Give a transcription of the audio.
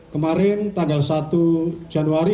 kemarin tanggal satu januari dua ribu sembilan belas